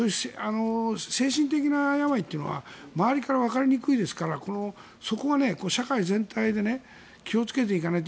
精神的な病というのは周りからわかりにくいですからそこが社会全体で気をつけていかないと。